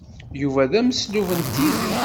Yuba d ameslub n tidet.